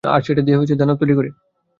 আর সেটা দিয়ে দানব তৈরি করে।